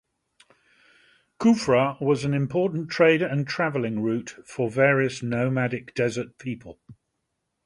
Kufra was an important trade and travelling route for various nomadic desert people.